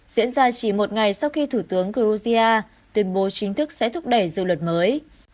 diễn ra chỉ một ngày sau khi thủ tướng gruzia tuyên bố chính thức sẽ thúc đẩy dự luật mới